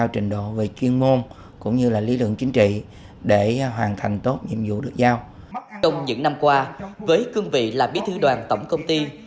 trong những năm qua với cương vị là bí thư đoàn tổng công ty